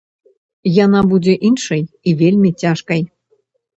Яна будзе іншай, і вельмі цяжкай.